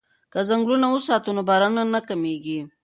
که ځنګلونه وساتو نو بارانونه نه کمیږي.